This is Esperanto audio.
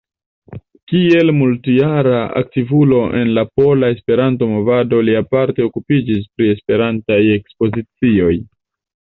Kiel multjara aktivulo en la pola Esperanto-movado li aparte okupiĝis pri Esperantaj ekspozicioj.